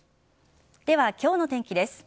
では、今日の天気です。